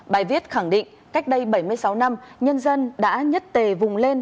bài viết khẳng định cách đây bảy mươi sáu năm nhân dân đã nhất tề vùng lên